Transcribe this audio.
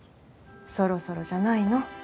そろそろじゃないの？